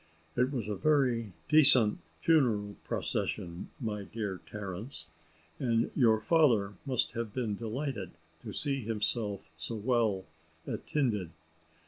It was a very dacent funeral procession, my dear Terence, and your father must have been delighted to see himself so well attinded.